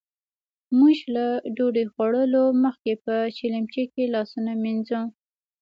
موژ له ډوډۍ خوړلو مخکې په چیلیمچې کې لاسونه مينځو.